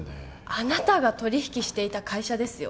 あなたが取引していた会社ですよ